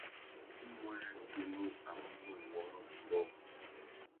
Umuênê tunu a munú nʼwôrrô umbōh.